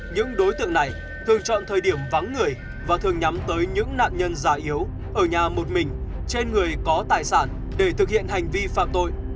những đối tượng này thường chọn thời điểm vắng người và thường nhắm tới những nạn nhân già yếu ở nhà một mình trên người có tài sản để thực hiện hành vi phạm tội